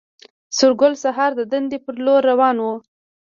سورګل سهار د دندې پر لور روان و